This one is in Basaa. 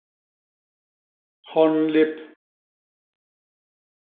Hon lép.